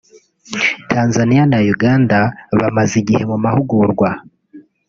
Tanzaniya na Uganda bamaze igihe mu mahugurwa